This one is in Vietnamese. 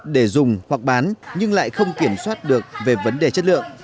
để dùng hoặc bán nhưng lại không kiểm soát được về vấn đề chất lượng